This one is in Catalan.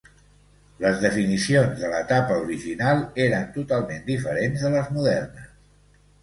Les definicions de l'etapa original eren totalment diferents de les modernes.